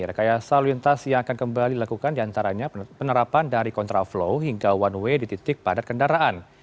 rekayasa lalu lintas yang akan kembali dilakukan diantaranya penerapan dari kontraflow hingga one way di titik padat kendaraan